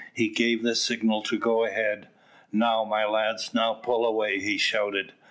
He gave the signal to go ahead. "Now, my lads, now pull away," he shouted.